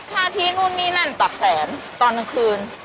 ค่าที่นู่นนี่นั่นตักแสนตอนกลางคืน